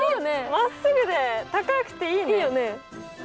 まっすぐで高くていいね。いいよね。